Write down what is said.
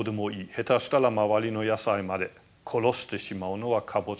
下手したら周りの野菜まで殺してしまうのはカボチャですね。